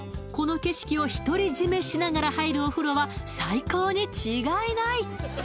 この景色を独り占めしながら入るお風呂は最高に違いない！